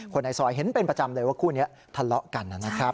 คนในซอยเห็นเป็นประจำเลยว่าคู่นี้ทะเลาะกันนะครับ